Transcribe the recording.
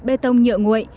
bê tông nhựa nguội